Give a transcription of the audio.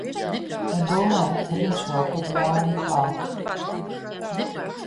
Vai domājat, ka viņš vēl tur ļaunu prātu?